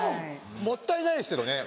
もったいないですけどね